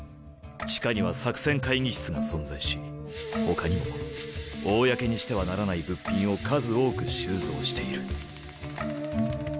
地下には作戦会議室が存在しほかにも公にしてはならない物品を数多く収蔵している。